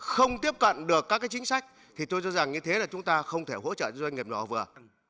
không tiếp cận được các cái chính sách thì tôi cho rằng như thế là chúng ta không thể hỗ trợ doanh nghiệp nhỏ và vừa